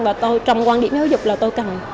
và tôi trọng quan điểm đó